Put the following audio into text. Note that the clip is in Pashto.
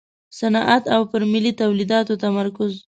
صنعت او پر ملي تولیداتو تمرکز.